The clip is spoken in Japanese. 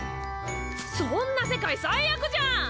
そんな世界最悪じゃん！